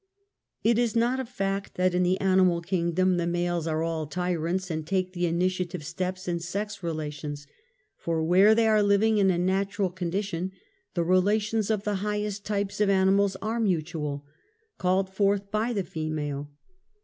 It is not a fact that in the animal kingdom the males are all tyrants and take the ini tiative steps in sex relations, for^ where they are liv ing in a natural condition, the relations of the high est types of animals are mutual, called forth by the female.